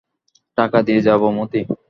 টাকা দিয়ে যাব মতি।